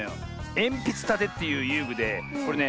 「えんぴつたて」っていうゆうぐでこれね